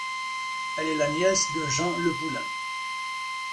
Elle est la nièce de Jean Le Poulain.